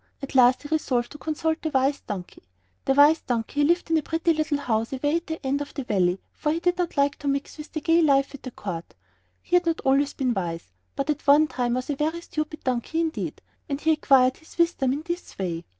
At last he resolved to consult the Wise Donkey. The Wise Donkey lived in a pretty little house away at the end of the Valley, for he didn't like to mix with the gay life at the court. He had not always been wise, but at one time was a very stupid donkey indeed, and he acquired his wisdom in this way.